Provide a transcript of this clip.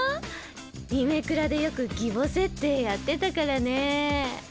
イメクラでよく義母設定やってたからね